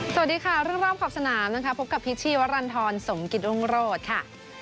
สวัสดีค่ะเรื่องรอบขอบสนามนะคะพบกับพิษชีวรรณฑรสมกิตรุงโรธค่ะ